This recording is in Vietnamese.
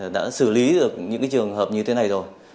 đã xử lý được những cái trường hợp như thế này rồi